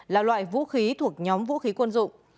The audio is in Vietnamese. là loại vũ khí thuộc nhóm vũ khí quân dụng